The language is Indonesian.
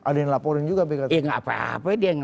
ada yang laporin juga ya gapapa dia yang